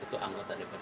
itu anggota dewan